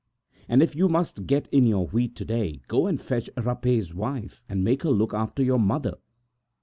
And if you must get in your wheat to day, go and fetch Rapet's wife and make her look after your mother.